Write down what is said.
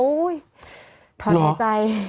อุ้ยพอในใจ